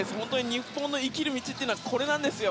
日本の生きる道はこれなんですよ。